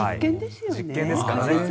実験ですからね。